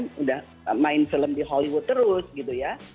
sudah main film di hollywood terus gitu ya